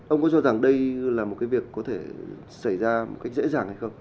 ông có cho rằng đây là một cái việc có thể xảy ra một cách dễ dàng hay không